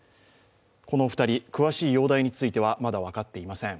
この２人、詳しい容体についてはまだ分かっていません。